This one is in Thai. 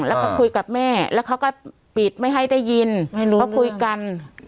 แล้วก็คุยกับแม่แล้วเขาก็ปิดไม่ให้ได้ยินไม่รู้เขาคุยกัน